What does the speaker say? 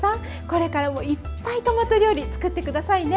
これからもいっぱいトマト料理作って下さいね。